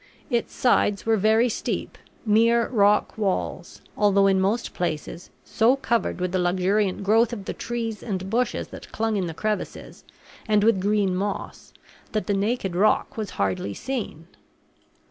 Its sides were very steep, mere rock walls, although in most places so covered with the luxuriant growth of the trees and bushes that clung in the crevices, and with green moss, that the naked rock was hardly seen.